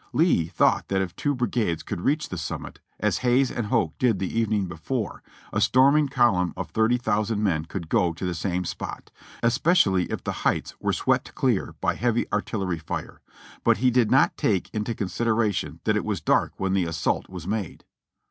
Lee thought that if two brigades could reach the summit, as Hays and Hoke did the evening before, a storming column of thirty thousand men could go to the same spot, especially if the heights were swept clear by heavy artillery fire. But he did not take into consideration that it was dark when the assault was made.